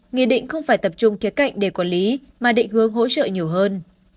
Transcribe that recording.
nghị định không phải tập trung kế cạnh để quản lý mà định hướng hỗ trợ nhiều hơn